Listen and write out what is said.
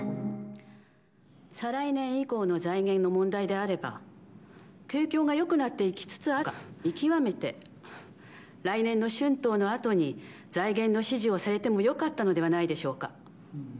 再来年以降の財源の問題であれば、景況がよくなっていきつつあるか見極めて、来年の春闘のあとに財源の指示をされてもよかったのではないでしょうか。